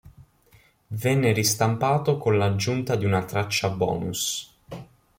Venne ristampato con l'aggiunta di una traccia bonus.